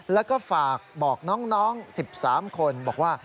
แล้วก็ฝากบอกน้อง๑๓คนบอกว่า